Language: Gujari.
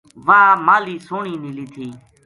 واہ ماہلی سوہنی نیلی تھی